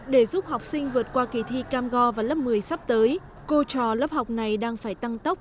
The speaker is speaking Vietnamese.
để giúp học sinh vượt qua kỳ thi cam go vào lớp một mươi sắp tới cô trò lớp học này đang phải tăng tốc